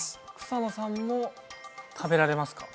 草野さんも食べられますか？